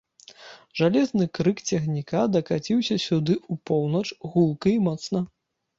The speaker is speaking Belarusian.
Жалезны крык цягніка дакаціўся сюды ў поўнач, гулка і моцна.